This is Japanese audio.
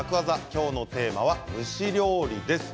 今日のテーマは蒸し料理です。